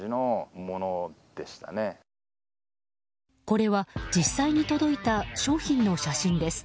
これは実際に届いた商品の写真です。